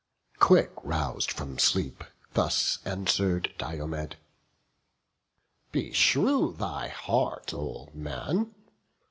Quick rous'd from sleep, thus answer'd Diomed: "Beshrew thy heart, old man!